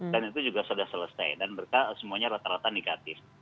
dan itu juga sudah selesai dan mereka semuanya rata rata negatif